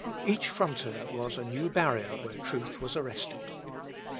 Each frontier was a new barrier where truth was arrested.